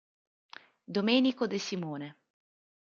Domenico De Simone